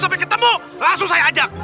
sampai ketemu langsung saya ajak